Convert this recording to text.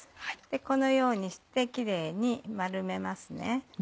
このようにしてきれいに丸めます。